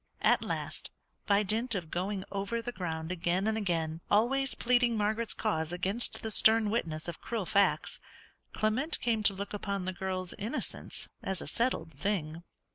At last, by dint of going over the ground again and again, always pleading Margaret's cause against the stern witness of cruel facts, Clement came to look upon the girl's innocence as a settled thing.